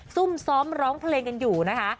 ซุ่มซ้อมร้องเพลงกันอยู่นะคะ